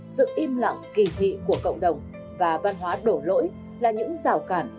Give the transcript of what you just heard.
sự im lặng kỳ thị của cộng đồng và văn hóa đổ lỗi là những rào cản